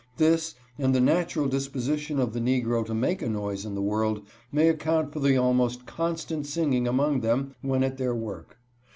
This, and the natural disposition of the ne gro to make a noise in the world, may account for the almost constant singing among them when at their work.